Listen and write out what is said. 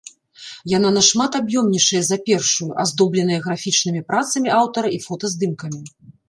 Яна нашмат аб'ёмнейшая за першую, аздобленая графічнымі працамі аўтара і фотаздымкамі.